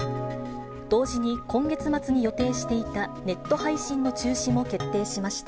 同時に今月末に予定していたネット配信の中止も決定しました。